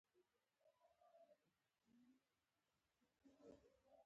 چې د پرمختیایي هیوادونو وګړي په خپلو پښو ودروي.